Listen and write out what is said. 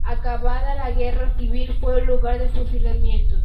Acabada la Guerra Civil fue lugar de fusilamientos.